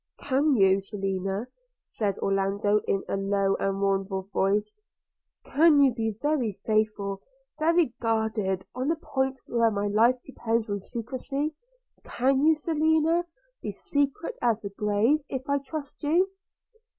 'Can you, Selina,' said Orlando in a low and mournful voice – 'can you be very faithful, very guarded on a point where my life depends on secrecy? Can you, Selina, be secret as the grave, if I trust you?'